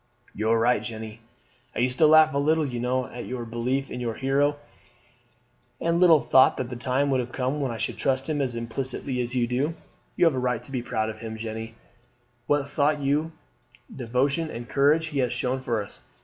"You are right, Jeanne. I used to laugh a little, you know, at your belief in your hero, and little thought that the time would come when I should trust him as implicitly as you do. You have a right to be proud of him, Jeanne. What thought and devotion and courage he has shown for us!